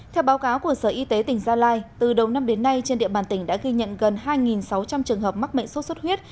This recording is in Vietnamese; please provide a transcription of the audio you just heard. theo báo cáo của sở y tế tỉnh gia lai từ đầu năm đến nay trên địa bàn tỉnh đã ghi nhận gần hai sáu trăm linh trường hợp mắc mệnh sốt xuất huyết